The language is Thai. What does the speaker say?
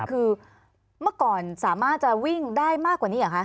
คือเมื่อก่อนสามารถจะวิ่งได้มากกว่านี้เหรอคะ